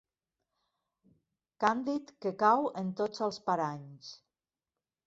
Càndid que cau en tots els paranys.